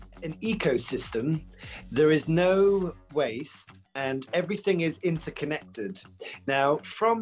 sebagai ekosistem tidak ada gaya hidup dan semuanya terkait